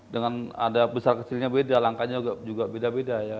dengan ada besar kecilnya beda langkahnya juga beda beda ya